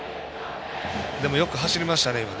でも、よく走りましたね。